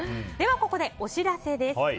ここで、お知らせです。